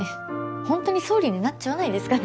ほんとに総理になっちゃわないですかね？